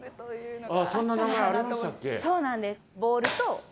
そうなんです。